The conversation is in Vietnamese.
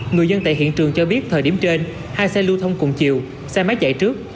người dân tại hiện trường cho biết thời điểm trên hai xe lưu thông cùng chiều xe máy chạy trước